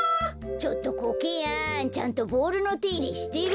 ちょっとコケヤンちゃんとボールのていれしてる？